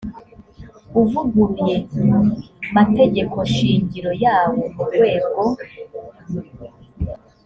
uvuguruye mategeko shingiro yawo mu rwego